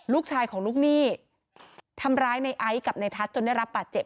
ลูกชายของลูกหนี้ทำร้ายในไอซ์กับในทัศน์จนได้รับบาดเจ็บ